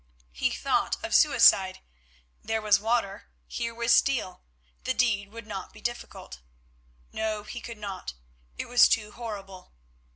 He thought of suicide; there was water, here was steel, the deed would not be difficult. No, he could not; it was too horrible.